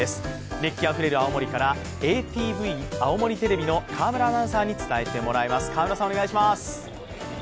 熱気あふれる青森からＡＴＶ青森テレビの河村アナウンサーから伝えてもらいます。